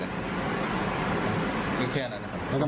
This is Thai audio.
ก็แค่นั้นนะครับ